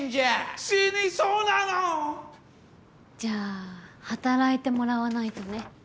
じゃあ働いてもらわないとね。